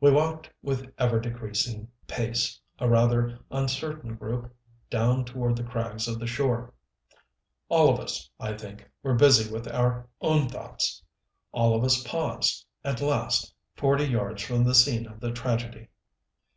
We walked with ever decreasing pace, a rather uncertain group, down toward the crags of the shore. All of us, I think, were busy with our own thoughts. All of us paused, at last, forty yards from the scene of the tragedy.